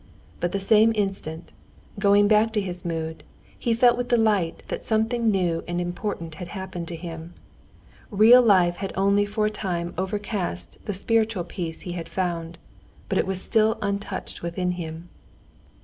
But the same instant, going back to his mood, he felt with delight that something new and important had happened to him. Real life had only for a time overcast the spiritual peace he had found, but it was still untouched within him.